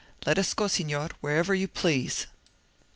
"Let us go, Signor, wherever you please."